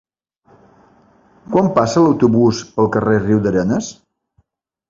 Quan passa l'autobús pel carrer Riudarenes?